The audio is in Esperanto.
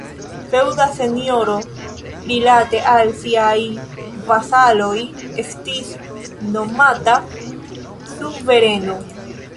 Feŭda senjoro rilate al siaj vasaloj estis nomata suvereno.